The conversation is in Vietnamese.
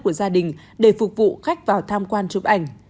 của gia đình để phục vụ khách vào tham quan chụp ảnh